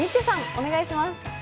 お願いします。